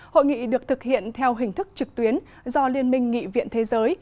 hội nghị được thực hiện theo hình thức trực tuyến do liên minh nghị viện thế giới